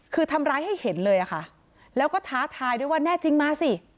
คือทำร้ายให้เห็นเลยอะค่ะแล้วก็ท้าทายด้วยว่าแน่จริงมาสิ